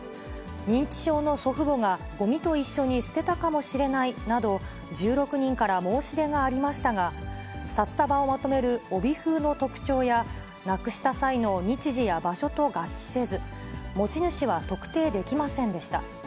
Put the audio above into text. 認知症の祖父母がごみと一緒に捨てたかもしれないなど、１６人から申し出がありましたが、札束をまとめる帯封の特徴や、なくした際の日時や場所と合致せず、持ち主は特定できませんでした。